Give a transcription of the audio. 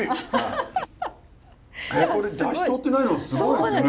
これだしとってないのがすごいですね！